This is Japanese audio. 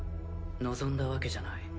望んだわけじゃない。